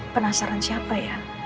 penasaran siapa ya